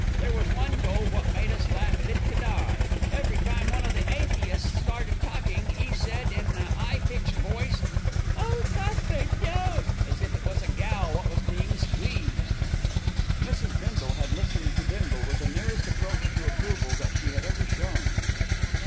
There was one cove wot made us laugh fit to die. Every time one o' the atheists started talkin', 'e said in a 'igh pitched voice, 'Oh, Cuthbert, don't!' as if it was a gal wot was being squeezed." Mrs. Bindle had listened to Bindle with the nearest approach to approval that she had ever shown.